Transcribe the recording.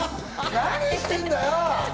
何してんだよ！